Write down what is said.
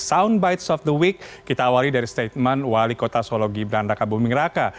soundbites of the week kita awali dari statement wali kota solo gibran raka buming raka